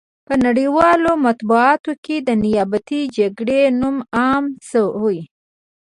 په نړیوالو مطبوعاتو کې د نیابتي جګړې نوم عام شوی.